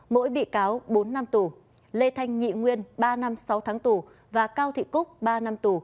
mỗi bị cáo bốn năm tù lê thanh nhị nguyên ba năm sáu tháng tù và cao thị cúc ba năm tù